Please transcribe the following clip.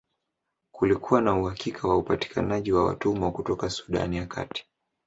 Kulikuwa na uhakika wa upatikanaji wa watumwa kutoka Sudan ya Kati